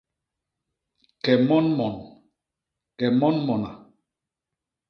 Ke mon mon; ke mon mona.